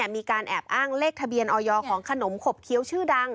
มีการแอบอ้างเลขทะเบียนออยของขนมขบเคี้ยวชื่อดัง